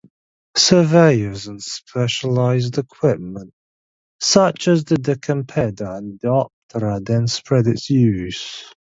Surveyors and specialized equipment such as the decempeda and dioptra then spread its use.